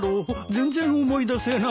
全然思い出せない。